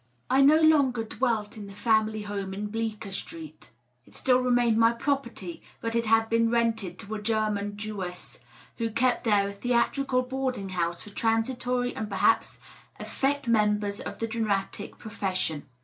I no longer dwelt in the family home in Bleecker Street ; it still remained my property, but it had been rented to a German Jewess, who kept there a theatrical boarding house for transitory and perhaps effete members of the dramatic profession.